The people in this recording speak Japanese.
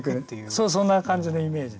そうそんな感じのイメージですね。